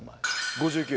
５９。